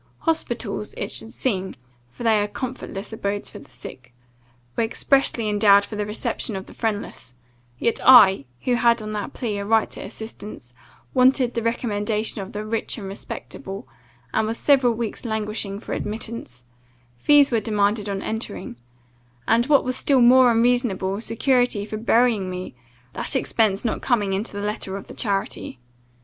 Hospitals, it should seem (for they are comfortless abodes for the sick) were expressly endowed for the reception of the friendless; yet I, who had on that plea a right to assistance, wanted the recommendation of the rich and respectable, and was several weeks languishing for admittance; fees were demanded on entering; and, what was still more unreasonable, security for burying me, that expence not coming into the letter of the charity.